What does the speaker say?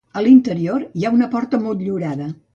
A l'interior hi ha una porta motllurada.